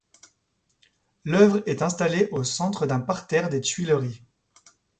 L'œuvre est installée au centre d'un parterre des Tuileries.